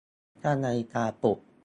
ตั้งนาฬิกาปลุก